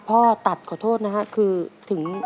พ่อตัดขอโทษนะครับคือถึง